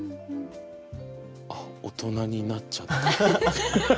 あっ大人になっちゃった。